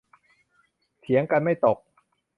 เถียงกันไม่ตก